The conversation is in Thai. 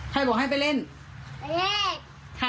ใครบอกให้ไปเฎ่นใช่ใคร